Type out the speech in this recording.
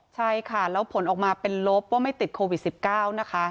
ใช่ค่ะแล้วผลออกมาเป็นลบว่าไม่ติดโควิด๑๙นะคะ